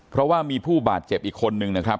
เพราะว่ามีผู้บาดเจ็บอีกคนนึงนะครับ